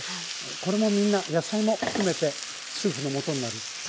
これもみんな野菜も含めてスープのもとになるんですね。